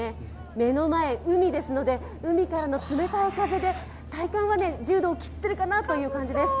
目の前、海ですので海からの冷たい風で体感は１０度を切ってるかなという感じです。